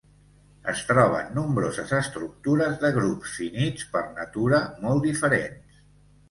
Es troben nombroses estructures de grups finits per natura molt diferents.